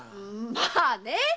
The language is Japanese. まあね。